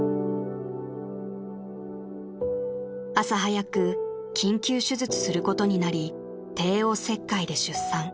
［朝早く緊急手術することになり帝王切開で出産］